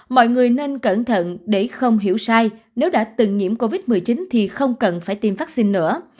mọi người nên cẩn thận để không hiểu sai nếu đã từng nhiễm covid một mươi chín thì không cần phải tiêm vaccine nữa